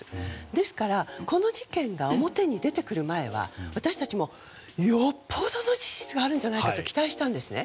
ですから、この事件が表に出てくる前は私たちもよっぽどの事実があるんじゃないかと期待したんですね。